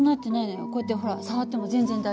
こうやってほら触っても全然大丈夫なの。